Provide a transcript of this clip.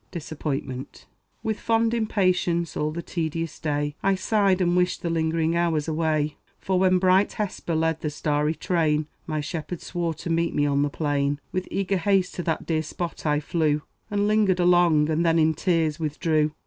DISAPPOINTMENT. With fond impatience, all the tedious day I sighed, and wished the lingering hours away; For when bright Hesper led the starry train, My shepherd swore to meet me on the plain. With eager haste to that dear spot I flew, And lingered long, and then in tears withdrew.